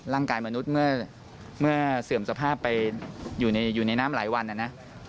ร่างกายมนุษย์เมื่อเสื่อมสภาพไปอยู่ในน้ำหลายวัน